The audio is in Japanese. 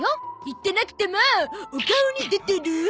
言ってなくてもお顔に出てる。